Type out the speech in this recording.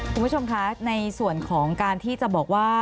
คุณผู้ชมคะในส่วนของการที่จะบอกว่า